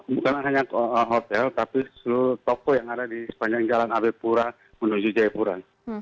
bukan hanya hotel tapi seluruh toko yang ada di sepanjang jalan abe pura menuju jayapura